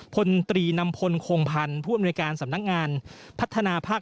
พลตรีนำพลโคงพันธ์ผู้อำนวยการสำนักงานพัฒนาภาค